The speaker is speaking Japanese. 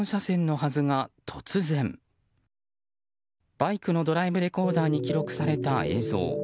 バイクのドライブレコーダーに記録された映像。